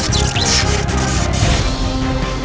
aku sudah menemukan siliwangi